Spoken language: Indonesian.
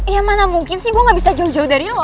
ya mana mungkin sih gue gak bisa jauh jauh dari lo